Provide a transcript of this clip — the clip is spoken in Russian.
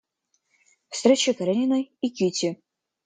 Встреча Карениной и Кити.